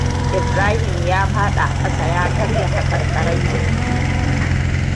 Ibrahim ya faɗi a ƙasa ya karya haƙarƙai uku.